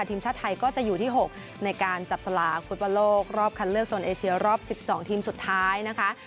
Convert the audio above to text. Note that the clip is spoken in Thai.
ทีมชาติไทยก็จะอยู่ที่๖ในการจับสลาฟุตบอลโลกรอบคันเลือกโซนเอเชียรอบ๑๒ทีมสุดท้ายนะคะ